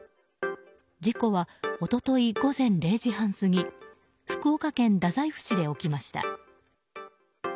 事故は、一昨日午前０時半過ぎ福岡県太宰府市で起きました。